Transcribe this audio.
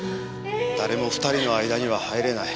誰も２人の間には入れない。